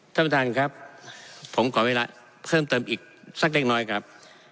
ท่านประธานครับผมขอเวลาเพิ่มเติมอีกสักเล็กน้อยครับ